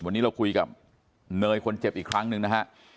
วันนี้เราคุยกับเนยคนเจ็บอีกครั้งหนึ่งนะฮะ